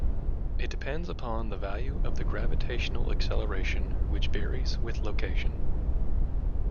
It depends upon the value of the gravitational acceleration, which varies with location.